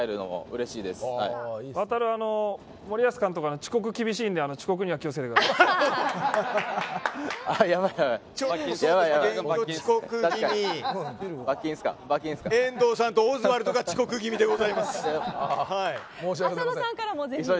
航、森保監督は遅刻厳しいので遅刻には気を付けてください。